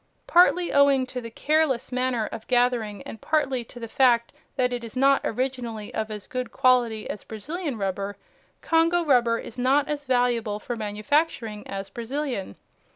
Partly owing to the careless manner of gathering and partly to the fact that it is not originally of as good quality as Brazilian rubber, Congo rubber is not as valuable for manufacturing as Brazilian.